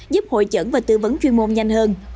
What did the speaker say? giúp hội chẩn và tư vấn chuyên môn nhanh hơn